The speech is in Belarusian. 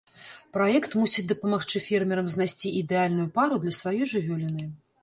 Праект мусіць дапамагчы фермерам знайсці ідэальную пару для сваёй жывёліны.